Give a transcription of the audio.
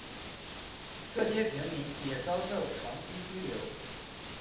这些平民也遭受长期拘留。